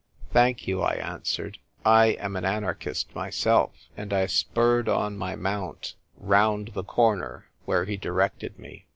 "Thank you," I answered, "I am an anarchist myself" And I spurred on my mount, round the corner where he directed me.